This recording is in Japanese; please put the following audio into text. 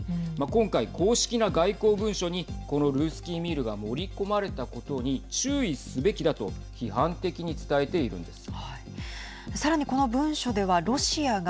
今回、公式な外交文書にこのルースキーミールが盛り込まれたことに注意すべきだと批判的に伝えているんです。